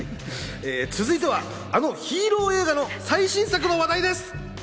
続いてはあのヒーロー映画の最新作の話題です。